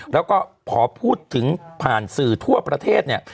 แล้วก็พอพูดถึงผ่านสื่อทั่วประเทศเนี่ย